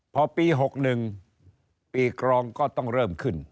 พอปี๖๑ปีกรองก็ต้องเริ่มขึ้น